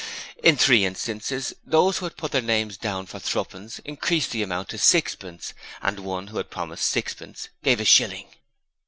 In three instances those who had put their names down for threepence increased the amount to sixpence and one who had promised sixpence gave a shilling.